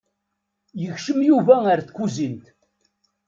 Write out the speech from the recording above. Yekcem Yuba ar tkuzint.